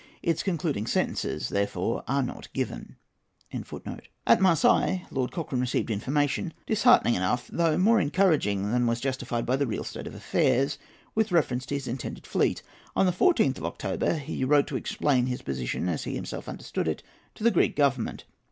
Its concluding sentences, therefore, are not given.] At Marseilles, Lord Cochrane received information, disheartening enough, though more encouraging than was justified by the real state of affairs, with reference to his intended fleet. On the 14th of October he wrote to explain his position, as he himself understood it, to the Greek Government.